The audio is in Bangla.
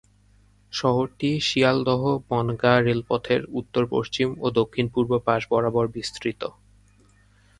শহরটি শিয়ালদহ-বনগাঁ রেলপথের উত্তর-পশ্চিম ও দক্ষিণ-পূর্ব পাশ বরাবর বিস্তৃত।